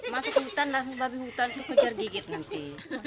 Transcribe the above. masuk hutan laki laki hutan itu kejar gigit nanti